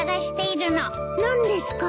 何ですか？